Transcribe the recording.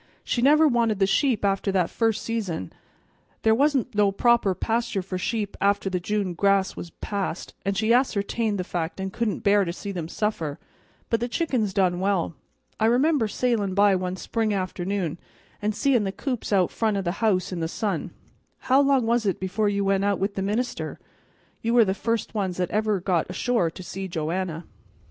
"She never wanted the sheep after that first season. There wa'n't no proper pasture for sheep after the June grass was past, and she ascertained the fact and couldn't bear to see them suffer; but the chickens done well. I remember sailin' by one spring afternoon, an' seein' the coops out front o' the house in the sun. How long was it before you went out with the minister? You were the first ones that ever really got ashore to see Joanna."